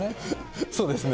そうですね。